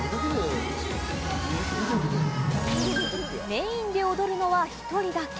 メインで踊るのは１人だけ。